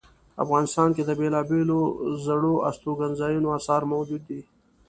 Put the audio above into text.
افغانستان کې د بیلابیلو زړو استوګنځایونو آثار موجود دي